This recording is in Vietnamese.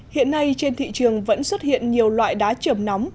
hiện nay trên thị trường vẫn xuất hiện nhiều loại đá trường nóng